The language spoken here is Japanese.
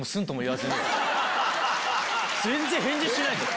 全然返事しないんです。